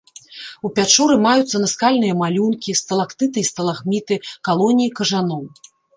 У пячоры маюцца наскальныя малюнкі, сталактыты і сталагміты, калоніі кажаноў.